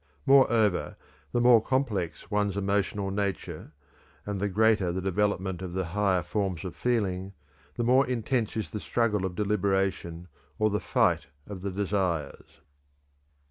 Moreover, the more complex one's emotional nature, and the greater the development of the higher forms of feeling, the more intense is the struggle of deliberation or the fight of the desires.